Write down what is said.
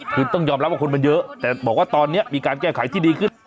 คือต้องยอมรับว่าคนมันเยอะแต่บอกว่าตอนนี้มีการแก้ไขที่ดีขึ้น